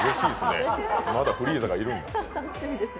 まだフリーザがいる。